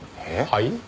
はい？